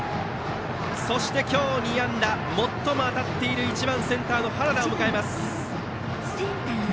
そして、今日２安打と最も当たっている１番センターの原田を迎えます。